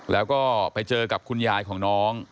แล้วก็ไปเจอกับคุณยายของน้อง